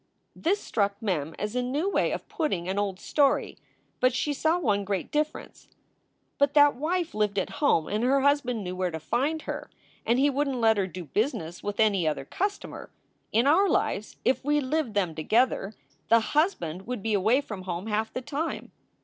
This struck Mem as a new way of putting an old story, but she saw one great difference: "But that wife lived at home and her husband knew where to find her. And he wouldn t let her do business with any other customer. In our lives, if we lived them together, the husband would be away from home half the time."